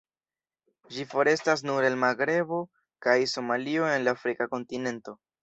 Ĝi forestas nur el Magrebo kaj Somalio en la afrika kontinento.